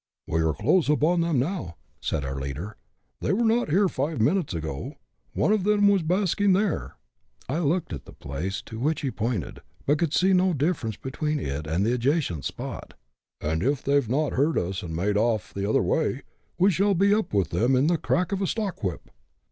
" We are close upon them now," said our leader ;" they were here not five minutes ago : one of them was basking tliere^^ (I looked at the place to which he pointed, but could see no differ ence between it and the adjacent spot) ;'' and, if they've not heard us and made off" the other way, we shall be up with them in the crack of a stockwhip."